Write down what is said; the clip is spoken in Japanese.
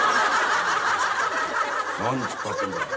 何突っ張ってんだよ。